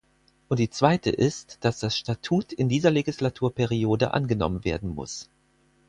Und die zweite ist, dass das Statut in dieser Legislaturperiode angenommen werden muss.